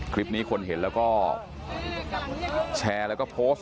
คลิปนี้คนเห็นแล้วก็แชร์แล้วก็โพสต์